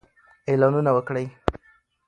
اعلانونه وکړئ.